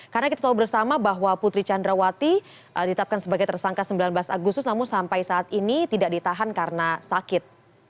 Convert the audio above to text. karena kita tahu bersama bahwa putri candrawati ditapkan sebagai tersangka sembilan belas agustus namun sampai saat ini tidak ditahan karena sakit